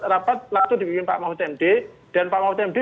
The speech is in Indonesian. waktu di bpm pak mahfud md dan pak mahfud md